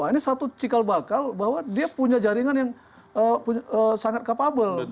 ini satu cikal bakal bahwa dia punya jaringan yang sangat capable